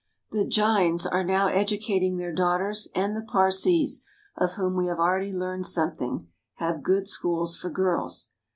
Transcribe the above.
The Jains are now educating their daughters, and the Parsees, of whom we have already learned something, have good schools for girls.